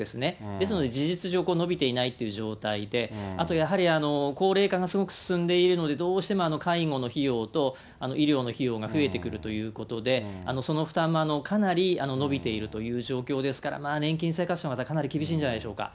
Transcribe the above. ですので事実上、伸びていないという状態で、あとやはり、高齢化がすごく進んでいるので、どうしても介護の費用と医療の費用が増えてくるということで、その負担もかなり伸びているという状況ですから、年金生活者の方、かなり厳しいんじゃないでしょうか。